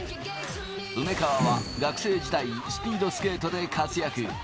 梅川は学生時代、スピードスケートで活躍。